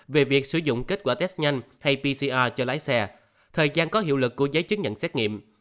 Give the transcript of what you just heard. về việc sử dụng kết quả test nhanh hay pcr cho lái xe thời gian có hiệu lực của giấy chứng nhận xét nghiệm